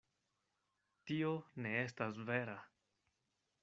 Tio ne estas vera.